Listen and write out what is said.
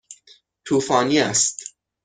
طوفانی است.